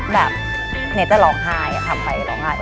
แบบเน้จะหล่องหายอะค่ะไปหล่องหาย